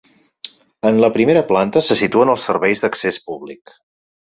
En la primera planta se situen els serveis d'accés públic.